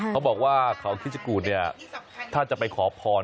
เขาบอกว่าเขาคิดจะกูดถ้าจะไปขอพร